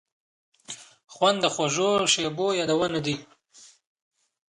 خوند د خوږو شیبو یادونه دي.